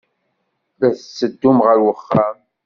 La tetteddum ɣer uxxam?